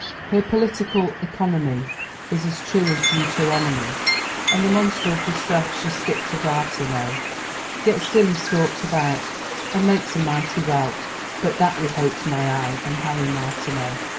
Her political economy Is as true as Deuteronomy; And the monster of Distress she sticks a dart in, O! Yet still he stalks about, And makes a mighty rout, But that we hope's my eye and Harry Martineau!